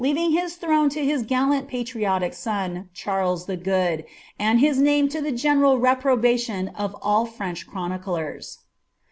41 Iflftving his throne to his gallant patriotic son, Charles the (}ood,'and his name to the general reprobation of all French chroniclers.